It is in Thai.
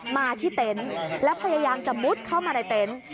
มาที่เต็นต์แล้วพยายามจะมุดเข้ามาในเต็นต์